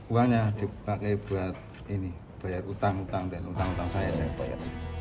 uangnya dipakai buat ini bayar utang utang dan utang utang saya bayar